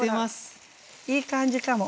いい感じかも。